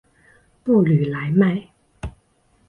布吕莱迈。